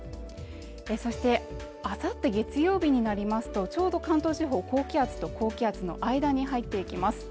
そしてあさって月曜日になりますとちょうど関東地方高気圧と高気圧の間に入っていきます